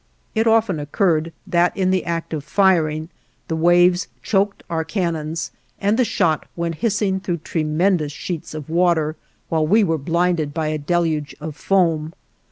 It often occurred that in the act of firing the waves choked our cannons, and the shot went hissing through tremendous sheets of water, while we were blinded by a deluge of foam.